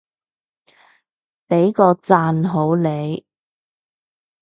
畀個讚好你